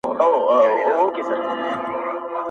له څه مودې ترخ يم خـــوابــــدې هغه~